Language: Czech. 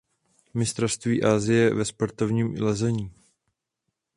Mistrovství Asie ve sportovním lezení.